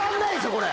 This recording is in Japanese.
これ。